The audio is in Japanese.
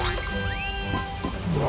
うわ！